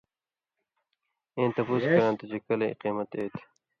اېں تپُوس کراں تھہ چے کلہۡ قَیمت اے تھی؟